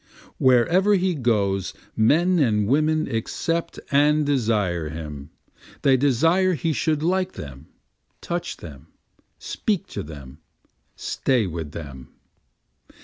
Wherever he goes men and women accept and desire him, They desire he should like them, touch them, speak to them, stay with them.